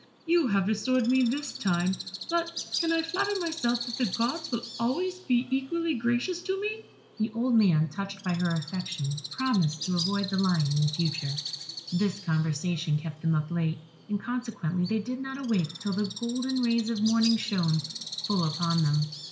You have been restored to me this time, but can I flatter myself that the Gods will be always equally gracious to me." The old man, touched by her affection, promised to avoid the lion in future. This conversation kept them up late, and consequently they did not awake till the golden rays of morning shone full upon them.